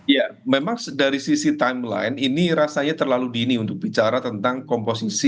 ya memang dari sisi timeline ini rasanya terlalu dini untuk bicara tentang komposisi